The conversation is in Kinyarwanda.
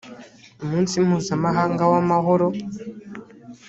umunsi mpuzamahanga w amahoro